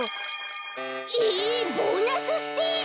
えボーナスステージ！？